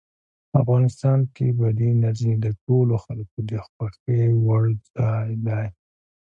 افغانستان کې بادي انرژي د ټولو خلکو د خوښې وړ ځای دی.